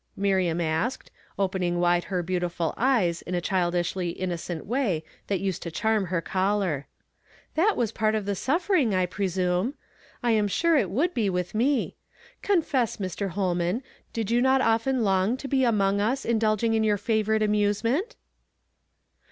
Miriam asked, oi)ening wide her beautiful eyes in a childishly innocent way that used to charm her caller. " That was part of the suffering, I presume. I am sure it would be with me. Confess, Mr. Ilolman, did you not often long to be among us indulging in ^our favorite amuse ment?"